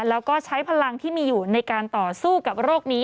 แล้วก็ใช้พลังที่มีอยู่ในการต่อสู้กับโรคนี้